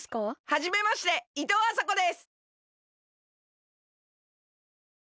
はじめましていとうあさこです。